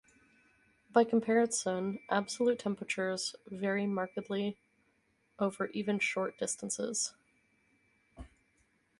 By comparison, absolute temperatures vary markedly over even short distances.